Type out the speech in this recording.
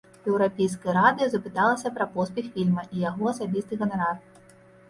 Еўрапейскае радыё запыталася пра поспех фільма і яго асабісты ганарар.